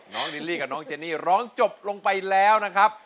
ลิลลี่กับน้องเจนี่ร้องจบลงไปแล้วนะครับ